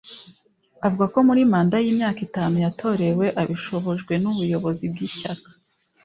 Avuga ko muri manda y’imyaka itanu yatorewe abishobojwe n’ubuyobozi bw’ishyaka